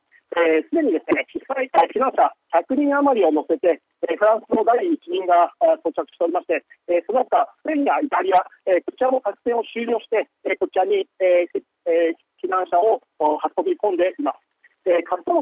すでに避難者１００人余りを乗せてスーダンの第１便が到着しておりましてイタリアなどもこちらも作戦を終了してこちらに避難者を運び込んでいます。